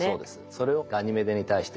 それをガニメデに対してやると。